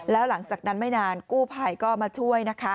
แล้วหลังจากนั้นไม่นานกู้ภัยก็มาช่วยนะคะ